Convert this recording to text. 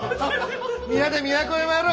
皆で都へ参ろう。